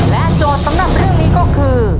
โจทย์สำหรับเรื่องนี้ก็คือ